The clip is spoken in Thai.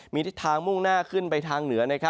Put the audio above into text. มีทิศทางมุ่งหน้าขึ้นไปทางเหนือ